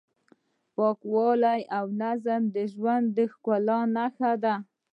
پاکوالی او نظم د ژوند د ښکلا نښه ده.